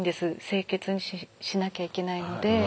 清潔にしなきゃいけないので。